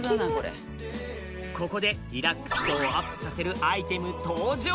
ここでリラックス度をアップさせるアイテム登場！